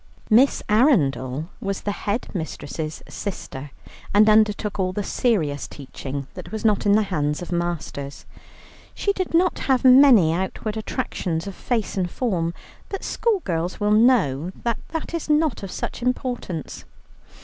Miss Arundel was the head mistress's sister, and undertook all the serious teaching that was not in the hands of masters. She did not have many outward attractions of face and form, but schoolgirls will know that that is not of much importance.